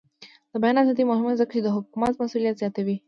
د بیان ازادي مهمه ده ځکه چې د حکومت مسؤلیت زیاتوي.